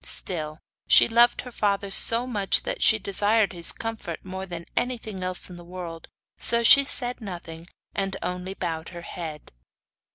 Still, she loved her father so much that she desired his comfort more than anything else in the world, so she said nothing, and only bowed her head.